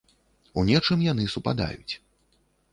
У нечым яны супадаюць.